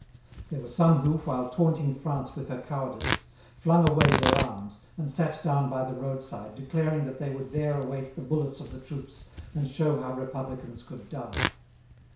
There were some who, while taunting France with her cowardice, flung away their arms, and sat down by the roadside, declaring that they would there await the bullets of the troops, and show how Republicans could die.